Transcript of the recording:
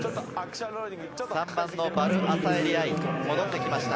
３番のヴァル・アサエリ愛、戻ってきました。